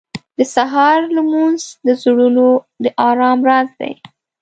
• د سهار لمونځ د زړونو د ارام راز دی.